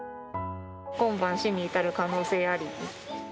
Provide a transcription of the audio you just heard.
「今晩死に至る可能性あり」。